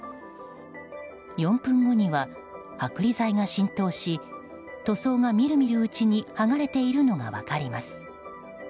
４分後には剥離剤が浸透し塗装がみるみるうちに剥がれているのが分かります。